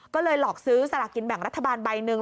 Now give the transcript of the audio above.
ก็เลยหลอกซื้อสลากกินแบ่งรัฐบาลใบหนึ่ง